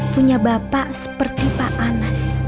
punya bapak seperti pak anas